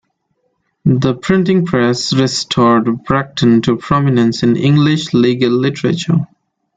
The printing press restored Bracton to prominence in English legal literature.